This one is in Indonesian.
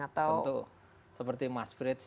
atau seperti mas pritz